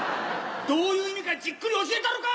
どういう意味かじっくり教えたろか？